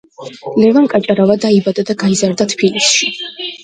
ლევან კაჭარავა დაიბადა და გაიზარდა თბილისში.